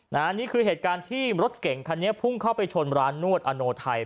นี่คือเหตุการณ์ที่รถเก่งคันนี้พุ่งเข้าไปชนร้านนวดอโนไทย